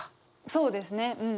そうですね。